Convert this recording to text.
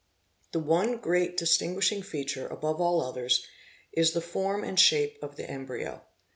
The one great distinguishing feature above all others is the form and shape of the embryo.